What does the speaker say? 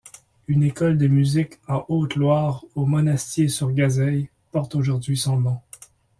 Une école de musique en Haute-Loire au Monastier-sur-Gazeille porte aujourd’hui son nom.